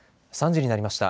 ３時になりました。